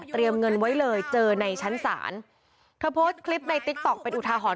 เงินไว้เลยเจอในชั้นศาลเธอโพสต์คลิปในติ๊กต๊อกเป็นอุทาหรณ